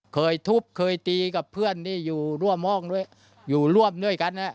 เคยทุบเคยตีกับเพื่อนที่อยู่ร่วมห้องด้วยอยู่ร่วมด้วยกัน